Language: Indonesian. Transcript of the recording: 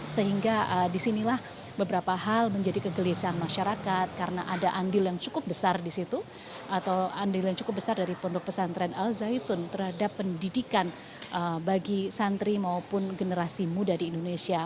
sehingga disinilah beberapa hal menjadi kegelisahan masyarakat karena ada andil yang cukup besar di situ atau andil yang cukup besar dari pondok pesantren al zaitun terhadap pendidikan bagi santri maupun generasi muda di indonesia